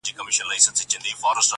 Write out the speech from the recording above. کشکي ستا په خاطر لمر وای راختلی!.!